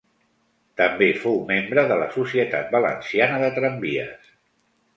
També fou membre de la Societat Valenciana de Tramvies.